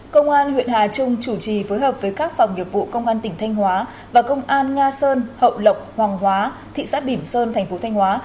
công an huyện hà trung chủ trì phối hợp với các phòng nghiệp vụ công an tỉnh thanh hóa và công an nga sơn hậu lộc hoàng hóa thị xã bỉm sơn thành phố thanh hóa